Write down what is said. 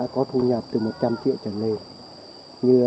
có thu nhập từ một trăm linh triệu trở lên